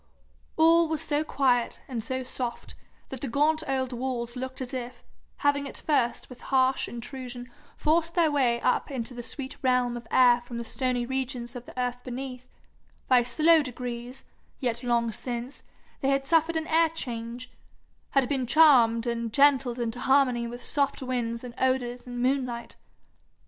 All was so quiet and so soft that the gaunt old walls looked as if, having at first with harsh intrusion forced their way up into the sweet realm of air from the stony regions of the earth beneath, by slow degrees, yet long since, they had suffered an air change, and been charmed and gentled into harmony with soft winds and odours and moonlight.